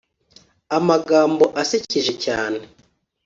amagambo asekeje cyane